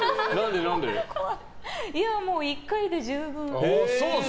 もう１回で十分。